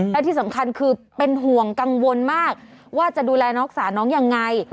และที่สำคัญคือเป็นห่วงกังวลมากว่าจะดูแลน้องสาวน้องยังไง